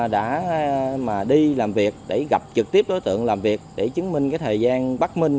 đã mà đi làm việc để gặp trực tiếp đối tượng làm việc để chứng minh thời gian bắt minh